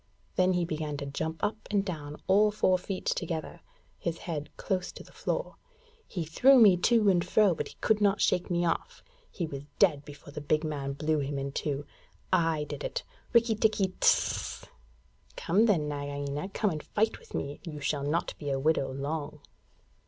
Then he began to jump up and down, all four feet together, his head close to the floor. 'He threw me to and fro, but he could not shake me off. He was dead before the big man blew him in two. I did it. Rikki tikki tck tck! Come then, Nagaina. Come and fight with me. You shall not be a widow long.'